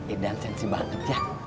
idaan sensi banget ya